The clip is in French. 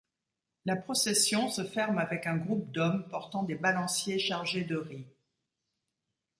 La procession se ferme avec un groupe d'hommes portant des balanciers chargés de riz.